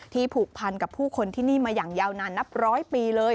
ผูกพันกับผู้คนที่นี่มาอย่างยาวนานนับร้อยปีเลย